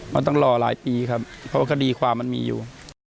มันต้องรอหลายปีครับเพราะว่าคดีความมันมีอยู่